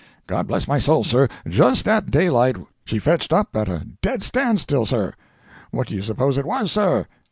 —God bless my soul, sir, just at daylight she fetched up at a dead stand still, sir!—what do you suppose it was, sir?